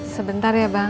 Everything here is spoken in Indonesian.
sebentar ya bang